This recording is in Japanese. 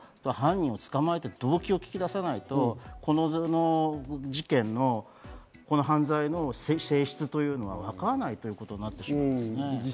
何としても大変だろうけれども、犯人を捕まえて動機を聞き出さないとこの事件のこの犯罪の性質というのは分からないということになってしまいますね。